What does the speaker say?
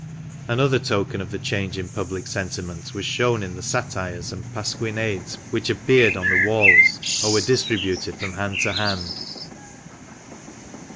Another token of the change in public sentiment was shown in the satires and pasquinades which appeared on the walls, or were distributed from hand to hand.